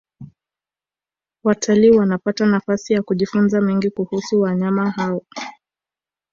watalii wanapata nafasi ya kujifunza mengi kuhusu wanyama hao